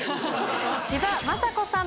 千葉真子さん